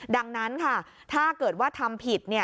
ดังนั้นค่ะถ้าเกิดว่าทำผิด